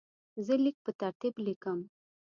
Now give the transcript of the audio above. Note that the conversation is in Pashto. زه لیک په ترتیب لیکم.